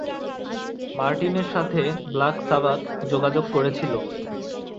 মার্টিনের সাথে Black Sabbath যোগাযোগ করেছিল।